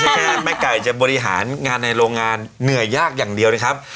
แค่แม่ไก่จะบริหารงานในโรงงานเหนื่อยยากอย่างเดียวนะครับ